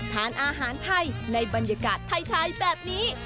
ทานอาหารไทยในบรรยากาศไทยแบบนี้